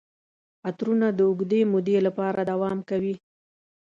عطرونه د اوږدې مودې لپاره دوام کوي.